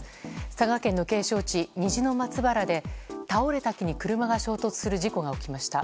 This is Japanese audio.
佐賀県の景勝地、虹の松原で倒れた木に車が衝突する事故が起きました。